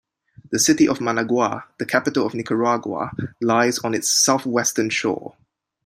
The city of Managua, the capital of Nicaragua, lies on its southwestern shore.